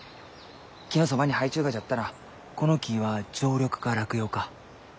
木のそばに生えちゅうがじゃったらこの木は常緑か落葉か。